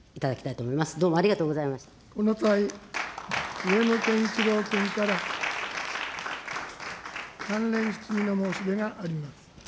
上野賢一郎君から関連質疑の申し出があります。